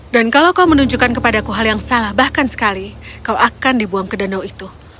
kalau kau menunjukkan kepadaku hal yang salah bahkan sekali kau akan dibuang ke danau itu